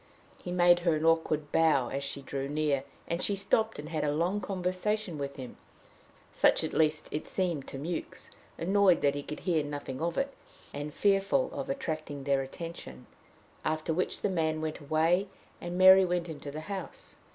He made her an awkward bow as she drew near, and she stopped and had a long conversation with him such at least it seemed to Mewks, annoyed that he could hear nothing of it, and fearful of attracting their attention after which the man went away, and Mary went into the house.